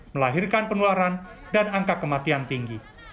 melahirkan penularan dan angka kematian tinggi